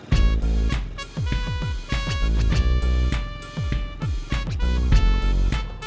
tunggu tunggu tunggu